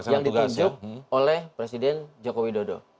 yang ditunjuk oleh presiden jokowi dodo